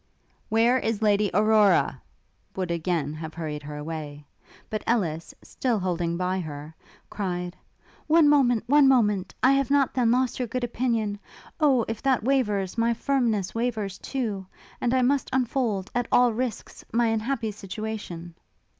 'Where is Lady Aurora?' would again have hurried her away; but Ellis, still holding by her, cried, 'One moment! one moment! I have not, then, lost your good opinion? Oh! if that wavers, my firmness wavers too! and I must unfold at all risks my unhappy situation!'